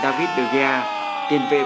david de gea tiền vệ